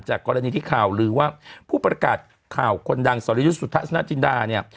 กรณีที่ข่าวลือว่าผู้ประกาศข่าวคนดังสรยุทธสนจินดาเนี่ย